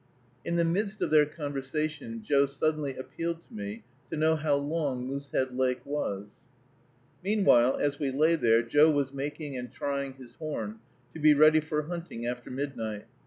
In the midst of their conversation, Joe suddenly appealed to me to know how long Moosehead Lake was. Meanwhile, as we lay there, Joe was making and trying his horn, to be ready for hunting after midnight.